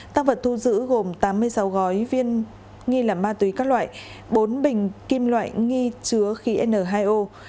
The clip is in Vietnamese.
tăng vật thu giữ gồm tám mươi sáu gói viên nghi là ma túy các loại bốn bình kim loại nghi chứa khí n hai o